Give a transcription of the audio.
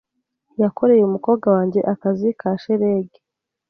Yakoreye umukobwa wanjye akazi ka shelegi.